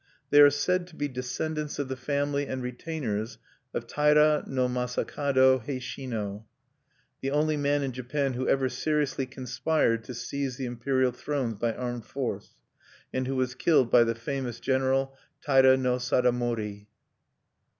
They are said to be descendants of the family and retainers of Taira no Masakado Heishino, the only man in Japan who ever seriously conspired to seize the imperial thrones by armed force, and who was killed by the famous general Taira no Sadamori.